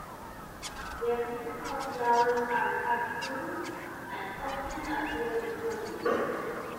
Their typical flowers are catkins and often appear before leaves.